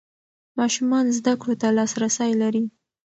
ماشومان زده کړو ته لاسرسی لري.